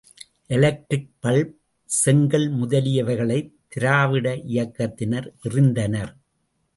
Electric bulb, செங்கல் முதலியவைகளை திராவிட இயக்கத்தினர் எறிந்தனர்.